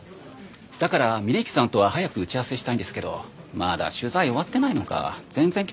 だから峯木さんとは早く打ち合わせしたいんですけどまだ取材終わってないのか全然来てくれなくて。